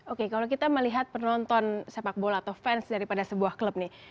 oke kalau kita melihat penonton sepak bola atau fans daripada sebuah klub nih